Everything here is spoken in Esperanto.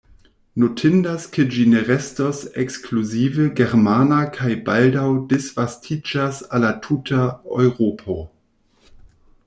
Notindas ke ĝi ne restos ekskluzive germana kaj baldaŭ disvastiĝas al la tuta Eŭropo.